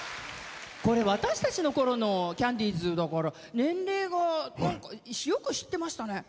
これ、私たちのころのキャンディーズだから年齢がよく知ってましたね。